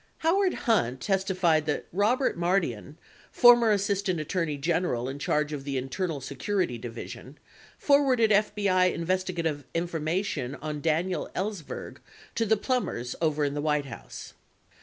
Howard Hunt testified that Robert Mardian, former Assistant At torney General in charge of the Internal Security Division, forwarded FBI investigative information on Daniel Ellsberg to the Plumbers over in the White House.